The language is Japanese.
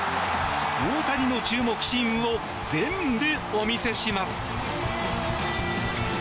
大谷の注目シーンを全部お見せします。